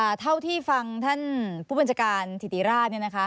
ค่ะเท่าที่ฟังท่านผู้บัญชการถิติราช